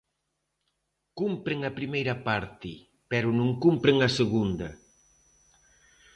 Cumpren a primeira parte, pero non cumpren a segunda.